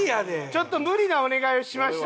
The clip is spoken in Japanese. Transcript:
ちょっと無理なお願いをしました。